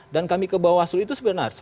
dan kami ke bawaslu itu sebenarnya